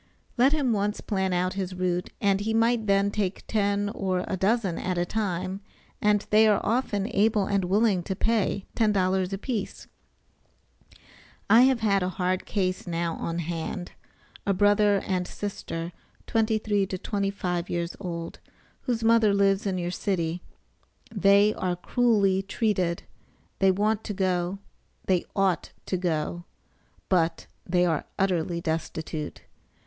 Let him once plan out his route, and he might then take ten or a dozen at a time, and they are often able and willing to pay $10 a piece. I have a hard case now on hand; a brother and sister 23 to 25 years old, whose mother lives in your city. They are cruelly treated; they want to go, they ought to go; but they are utterly destitute.